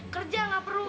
kerja nggak perlu